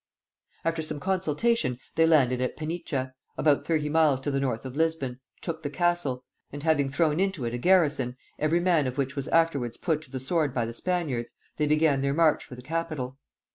After some consultation they landed at Penicha, about thirty miles to the north of Lisbon, took the castle; and having thrown into it a garrison, every man of which was afterwards put to the sword by the Spaniards, they began their march for the capital.